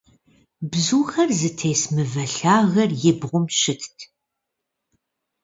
Бзухэр зытес мывэ лъагэр и бгъум щытт.